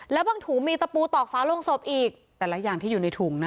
แล้วบางถุงมีตะปูตอกฟ้าลงศพอีกแต่ละอย่างที่อยู่ในถุงนะ